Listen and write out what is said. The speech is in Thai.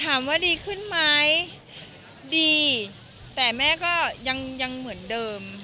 ถามว่าดีขึ้นไหมดีแต่แม่ก็ยังเหมือนเดิม